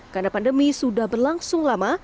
karena pandemi sudah berlangsung lama